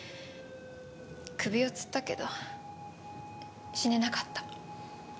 首を吊ったけど死ねなかった。